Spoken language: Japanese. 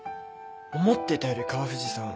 思ってたより川藤さん